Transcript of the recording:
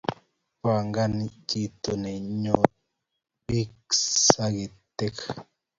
Pangani chito neinyoi biik sagitek